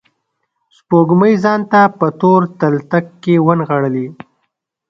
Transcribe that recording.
سپوږمۍ ځان په تور تلتک کې ونغاړلي